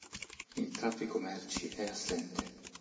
Il traffico merci è assente.